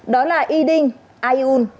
đó là y đinh ai un